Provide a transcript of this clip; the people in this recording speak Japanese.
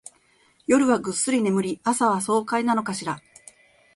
夜はぐっすり眠り、朝は爽快なのかしら